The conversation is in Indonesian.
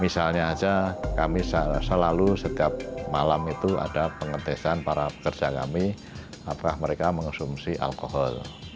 misalnya saja kami selalu setiap malam itu ada pengetesan para pekerja kami apakah mereka mengonsumsi alkohol